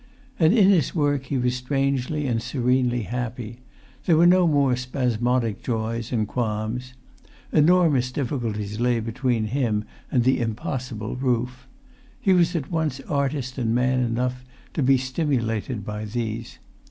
And in his work he was strangely and serenely happy; there were no more spasmodic joys and qualms. Enormous difficulties lay between him and the impossible roof. He was at once artist and man enough to be stimulated by these.